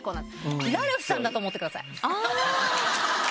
ラルフさんだと思ってください。